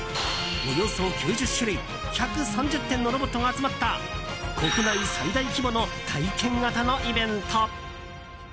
およそ９０種類１３０点のロボットが集まった国内最大規模の体験型のイベント。